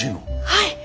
はい！